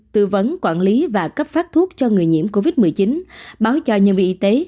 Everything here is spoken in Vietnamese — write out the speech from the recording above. tư vấn quản lý và cấp phát thuốc cho người nhiễm covid một mươi chín báo cho nhân viên y tế